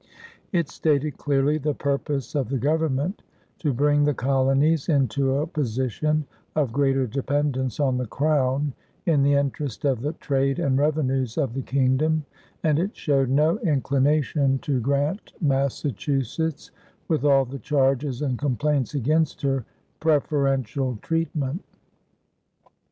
It stated clearly the purpose of the Government to bring the colonies into a position of greater dependence on the Crown in the interest of the trade and revenues of the kingdom, and it showed no inclination to grant Massachusetts, with all the charges and complaints against her, preferential treatment.